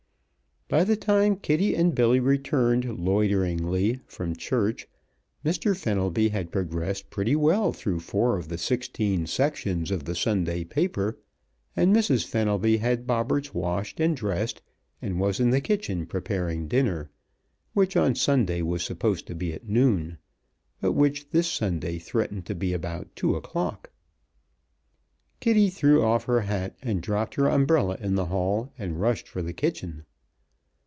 By the time Kitty and Billy returned loiteringly from church Mr. Fenelby had progressed pretty well through four of the sixteen sections of the Sunday paper, and Mrs. Fenelby had Bobberts washed and dressed and was in the kitchen preparing dinner, which on Sunday was supposed to be at noon, but which, this Sunday, threatened to be about two o'clock. Kitty threw off her hat and dropped her umbrella in the hall and rushed for the kitchen.